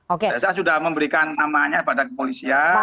oke saya sudah memberikan namanya pada kepolisian